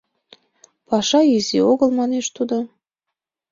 — Паша изи огыл, — манеш тудо.